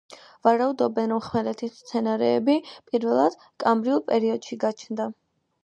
ვარაუდობენ, რომ ხმელეთის მცენარეები პირველად კამბრიულ პერიოდში გაჩნდა.